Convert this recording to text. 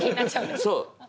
そう。